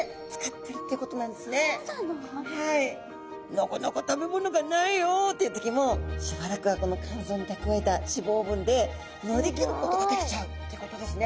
なかなか食べ物がないよ！っていう時もしばらくはこの肝臓に蓄えた脂肪分で乗り切ることができちゃうってことですね。